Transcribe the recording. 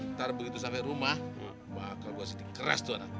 ntar begitu sampai rumah bakal gua sedih keras tuh anak